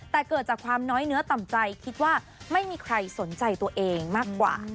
แต่เกิดจากความน้อยเนื้อต่ำใจคิดว่าไม่มีใครสนใจตัวเองมากกว่า